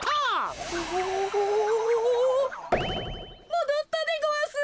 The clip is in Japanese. もどったでごわす。